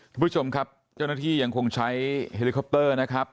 คุณผู้ชมครับเจ้าหน้าที่ยังคงใช้เฮลิคอปเตอร์นะครับ